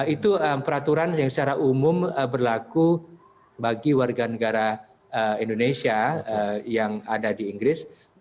itu peraturan yang secara umum berlaku bagi warga negara indonesia yang ada di inggris